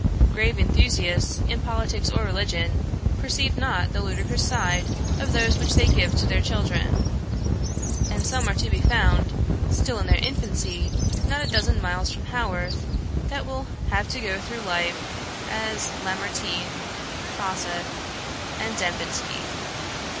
Grave enthusiasts in politics or religion perceive not the ludicrous side of those which they give to their children; and some are to be found, still in their infancy, not a dozen miles from Haworth, that will have to go through life as Lamartine, Kossuth, and Dembinsky.